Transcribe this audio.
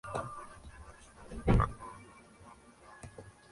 El siguiente diagrama muestra a las localidades más próximas a Springfield.